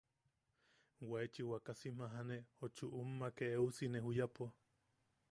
Waechi wakasim jajane, o chuʼummake eʼeusine juyapo.